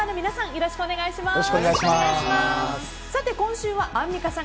よろしくお願いします。